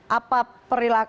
lalu bagaimana dengan